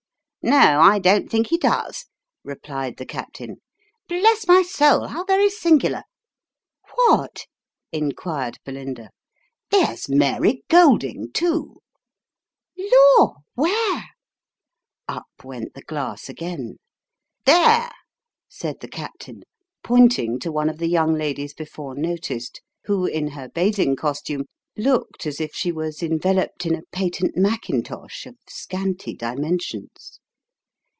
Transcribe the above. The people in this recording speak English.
No, I don't think he does," replied the captain. " Bless my soul, how very singular !" 260 Sketches by Boz. " What ?" inquired Belinda. " There's Mary Golding, too." " Lor ! where ?" (Up went the glass again.) " There !" said the captain, pointing to one of the young ladies before noticed, who, in her bathing costume, looked as if she was enveloped in a patent Mackintosh, of scanty dimensions.